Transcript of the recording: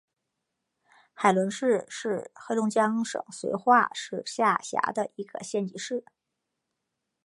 海伦市是黑龙江省绥化市下辖的一个县级市。